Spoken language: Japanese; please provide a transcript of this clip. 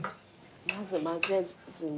まず混ぜずに。